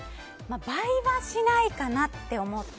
倍はしないかなって思って。